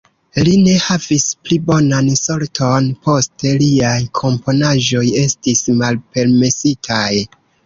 Li ne havis pli bonan sorton poste, liaj komponaĵoj estis malpermesitaj.